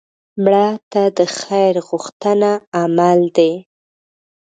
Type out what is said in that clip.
مړه ته د خیر غوښتنه عمل دی